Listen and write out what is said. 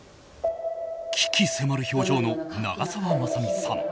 鬼気迫る表情の長澤まさみさん。